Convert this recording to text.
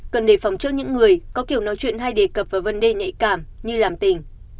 cần đề phòng trước những người có kiểu nói chuyện hay đề cập vào vấn đề nhạy cảm như làm tình